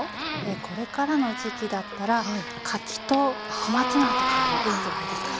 これからの時期だったら柿と小松菜とかもいいんじゃないですかね。